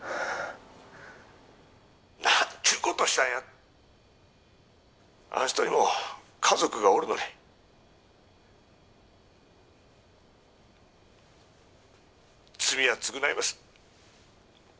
何ちゅうことをしたんやあん人にも家族がおるのに罪は償います